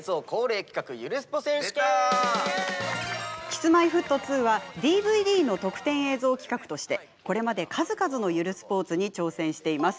Ｋｉｓ−Ｍｙ−Ｆｔ２はＤＶＤの特典映像企画としてこれまで数々のゆるスポーツに挑戦しています。